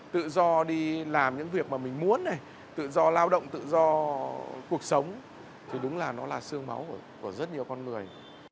tự do đi làm những việc mà mình muốn này tự do lao động tự do cuộc sống thì đúng là nó là sương máu của rất nhiều con người